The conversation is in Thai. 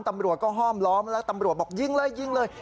ตำรวจก็ห้อมล้อมแล้วตำรวจบอกยิงเลยยิงเลย